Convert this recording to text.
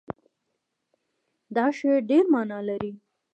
دا شعر ډېر معنا لري.